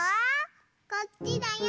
こっちだよ！